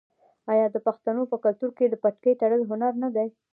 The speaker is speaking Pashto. آیا د پښتنو په کلتور کې د پټکي تړل هنر نه دی؟